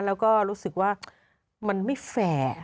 แล้วก็รู้สึกว่ามันไม่แฝด